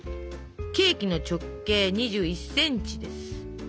ケーキの直径２１センチです。